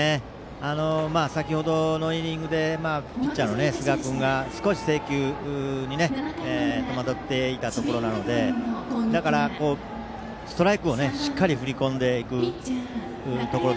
先程のイニングでピッチャーの寿賀君が少し制球に戸惑っていたところなのでだからストライクをしっかり振り込んでいくところ。